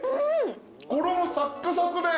衣サックサクで。